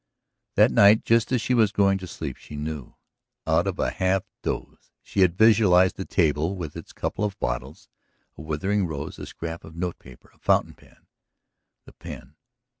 That night, just as she was going to sleep, she knew. Out of a half doze she had visualized the table with its couple of bottles, a withering rose, a scrap of note paper, a fountain pen. The pen